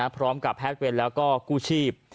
พร้อมกับแพทย์เวลแล้วก็กู้ชีพ